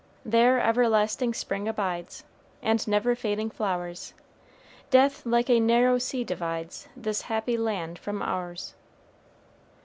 "There everlasting spring abides, And never fading flowers; Death like a narrow sea divides This happy land from ours."